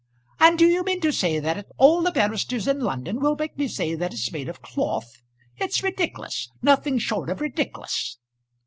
"And do you mean to say that all the barristers in London will make me say that it's made of cloth? It's ridic'lous nothing short of ridic'lous."